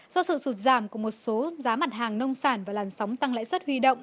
do sự sụt giảm của một số giá mặt hàng nông sản và làn sóng tăng lãi suất huy động